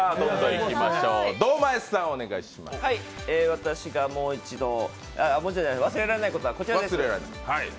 私が忘れられないことはこちらです。